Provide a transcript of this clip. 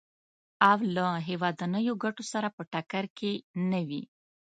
او له هېوادنیو ګټو سره په ټکر کې نه وي.